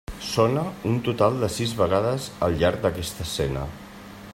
Sona un total de sis vegades al llarg d'aquesta escena.